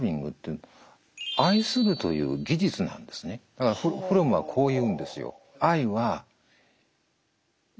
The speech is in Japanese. だからフロムはこう言うんですよ。